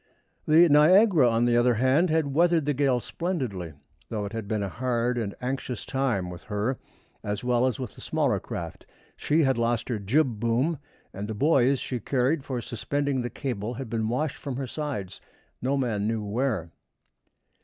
The Niagara, on the other hand, had weathered the gale splendidly, though it had been a hard and anxious time with her, as well as with the smaller craft. She had lost her jib boom, and the buoys she carried for suspending the cable had been washed from her sides no man knew where.